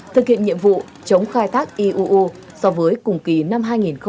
thực hiện nhiệm vụ chống khai thác iuu so với cùng kỳ năm hai nghìn hai mươi một